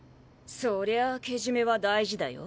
そりゃあけじめは大事だよ。